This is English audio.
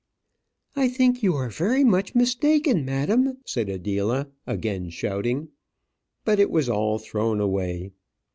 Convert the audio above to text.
"I think you are very much mistaken, madam," said Adela, again shouting. But it was all thrown away.